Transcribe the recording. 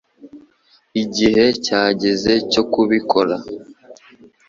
IGIHE cyageze cyo kubikora